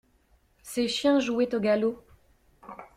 Ses chiens jouaient au galop.